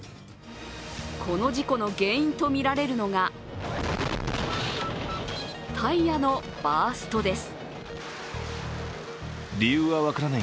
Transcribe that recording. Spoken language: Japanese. この事故の原因とみられるのがタイヤのバーストです。